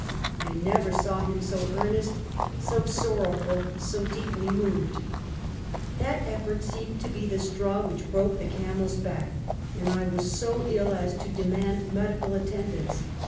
I never saw him so earnest, so sorrowful, so deeply moved. That effort seemed to be the straw which broke the camel's back, and I was so ill as to demand medical attendance.